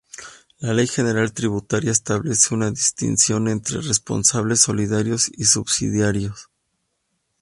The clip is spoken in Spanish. La Ley General Tributaria establece una distinción entre responsables solidarios y subsidiarios.